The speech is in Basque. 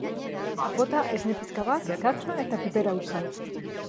Bota esne pixka bat, gatza eta piper hautsa.